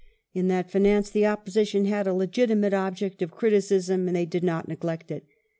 In that finance the Op position had a legitimate object of criticism, and they did not neglect it.